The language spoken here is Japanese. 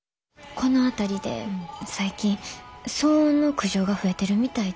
この辺りで最近騒音の苦情が増えてるみたいで。